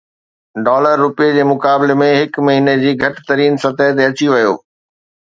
dollar رپئي جي مقابلي ۾ هڪ مهيني جي گهٽ ترين سطح تي اچي ويو